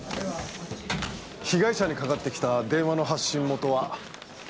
被害者にかかってきた電話の発信元は。